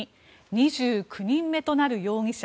２９人目となる容疑者